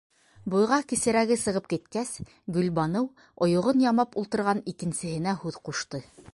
Буйға кесерәге сығып киткәс, Гөлбаныу ойоғон ямап ултырған икенсеһенә һүҙ ҡушты: